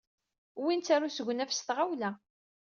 Wwin-tt ɣer usegnaf s tɣawla.